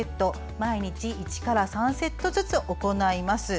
毎日１から３セットずつ行います。